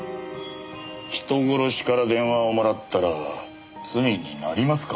人殺しから電話をもらったら罪になりますか？